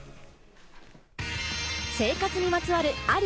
生活にまつわる、あり？